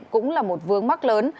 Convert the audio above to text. cũng là một vướng mắc lớn